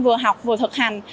vừa học vừa thực hành